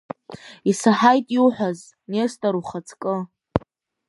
Исаҳаит иуҳәаз, Нестор ухаҵкы.